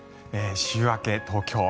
週明け、東京